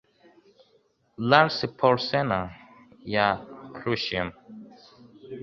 LARS Porsena ya Clusium